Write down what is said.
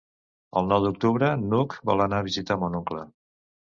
El nou d'octubre n'Hug vol anar a visitar mon oncle.